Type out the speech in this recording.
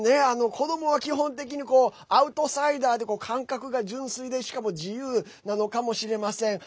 子どもは基本的にアウトサイダーで感覚が純粋でしかも自由なのかもしれません。